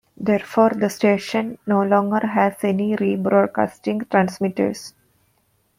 Therefore, the station no longer has any rebroadcasting transmitters.